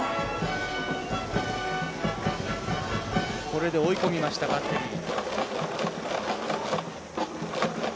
これで追い込みましたバッテリー。